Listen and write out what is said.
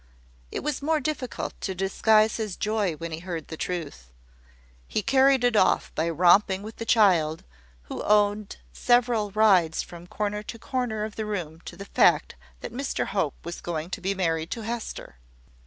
It was more difficult to disguise his joy when he heard the truth. He carried it off by romping with the child, who owed several rides from corner to corner of the room to the fact that Mr Hope was going to be married to Hester.